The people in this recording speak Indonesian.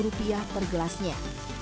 rp lima per gelasnya